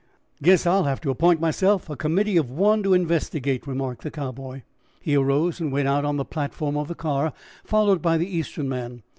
"Guess I'll have to appoint myself a committee of one to investigate," remarked the Cowboy. He arose and went out on the platform of the car, followed by the Eastern man.